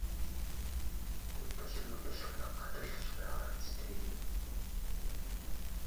Үгүй бол юу болохыг гадарлаж байгаа биз дээ?